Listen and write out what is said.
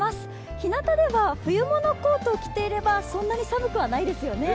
ひなたでは、冬物コートを着ていればそんな寒くはないですよね。